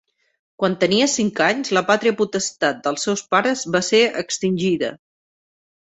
Quan tenia cinc anys, la pàtria potestat dels seus pares va ser extingida.